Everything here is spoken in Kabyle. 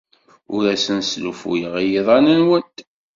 Ur asen-sslufuyeɣ i yiḍan-nwent.